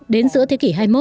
đến giữa thế kỷ hai mươi một